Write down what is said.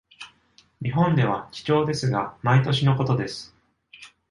日本では貴重ですが毎年のことです。